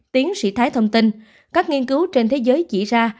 tiến sĩ thái thông tin các nghiên cứu trên thế giới chỉ ra